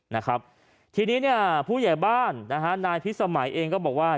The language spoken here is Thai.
นะครับทีนี้เนี่ยผู้ใหญ่บ้านนะฮะนายพิสมัยเองก็บอกว่า